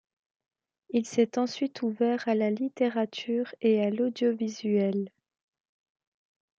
Il s'est ensuite ouvert à la littérature et à l'audiovisuel.